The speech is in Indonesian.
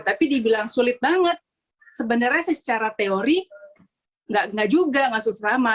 tapi dibilang sulit banget sebenarnya sih secara teori nggak juga nggak susah sama